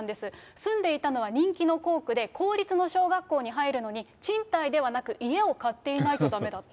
住んでいたのは人気の校区で公立の小学校に入るのに、賃貸ではなく、家を買っていないとだめだった。